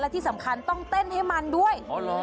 ที่สำคัญต้องเต้นให้มันด้วย